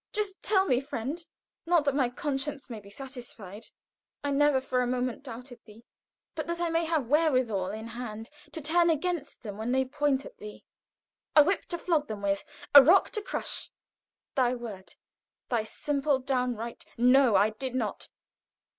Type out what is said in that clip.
Just tell me, friend! Not that my conscience may be satisfied, I never for a moment doubted thee But that I may have wherewithal in hand To turn against them when they point at thee: A whip to flog them with a rock to crush Thy word thy simple downright 'No, I did not.'